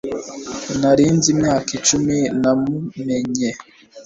Nari nzi imyaka icumi namumenye